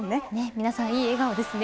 皆さんいい笑顔ですね